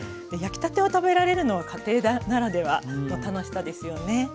焼きたてを食べられるのは家庭ならではの楽しさですよね。